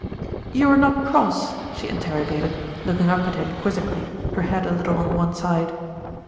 "You're not cross?" she interrogated, looking up at him quizzically, her head a little on one side.